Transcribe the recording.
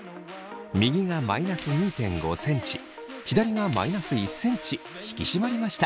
右がマイナス２．５ｃｍ左がマイナス１ｃｍ引き締まりました。